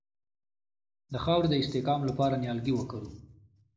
د خاورې د استحکام لپاره نیالګي وکرو.